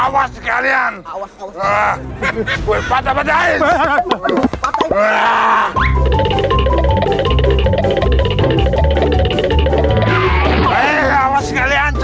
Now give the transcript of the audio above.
makanan yang gue cireng